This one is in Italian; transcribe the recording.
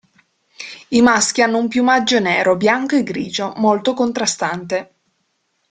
I maschi hanno un piumaggio nero, bianco e grigio, molto contrastante.